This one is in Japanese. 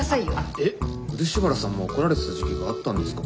えっ漆原さんも怒られてた時期があったんですか？